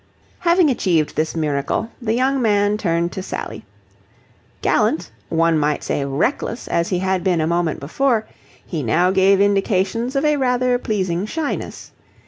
Having achieved this miracle, the young man turned to Sally. Gallant, one might say reckless, as he had been a moment before, he now gave indications of a rather pleasing shyness.